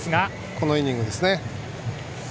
このイニングですね。